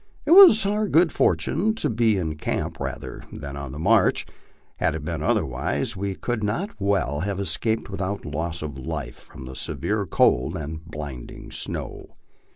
It was our good fortune to be in camp rather than on the march ; had it been otherwise, we could not well have escaped without loss of life from the severe cold and blinding snow.